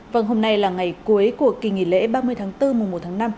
vâng hôm nay là ngày cuối của kỳ nghỉ lễ ba mươi tháng bốn mùa một tháng năm